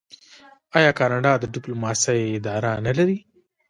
آیا کاناډا د ډیپلوماسۍ اداره نلري؟